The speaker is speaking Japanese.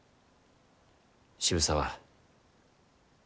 渋沢